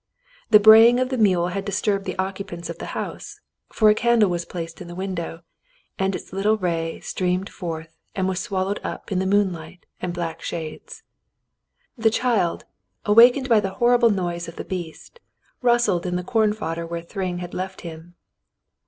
The braying of the mule had disturbed the occupants of the house, for a candle was placed in a window, and its little ray streamed forth and was swallowed up in the moonlight and black shades. The child, awakened by the horrible noise of the beast, rustled in the corn fodder where Thryng had left him.